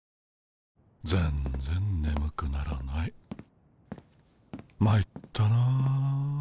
全然ねむくならないまいったな。